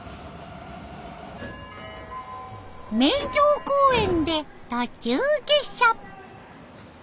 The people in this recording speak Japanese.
名城公園で途中下車。